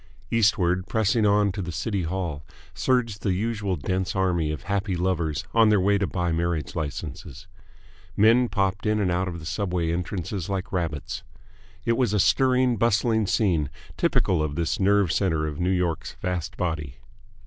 Eastward, pressing on to the City Hall, surged the usual dense army of happy lovers on their way to buy marriage licenses. Men popped in and out of the subway entrances like rabbits. It was a stirring, bustling scene, typical of this nerve centre of New York's vast body.